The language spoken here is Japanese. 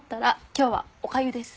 今日はおかゆです。